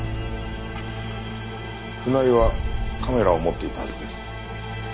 船井はカメラを持っていたはずです。